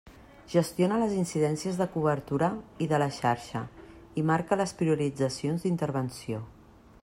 Gestiona les incidències de cobertura i de la xarxa i marca les prioritzacions d'intervenció.